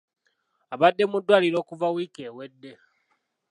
Abadde mu ddwaliro okuva wiiki ewedde.